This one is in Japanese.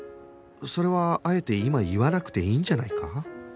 それはあえて今言わなくていいんじゃないか？